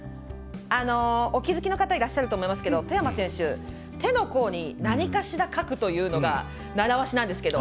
お気付きの方いらっしゃると思いますけど外山選手、手の甲に何かしら書くというのがならわしなんですけど。